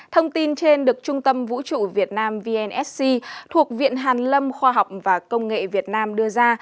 thông tin trên được trung tâm vũ trụ việt nam vnsc thuộc viện hàn lâm khoa học và công nghệ việt nam đưa ra